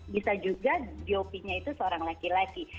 bisa juga dop nya itu seorang laki laki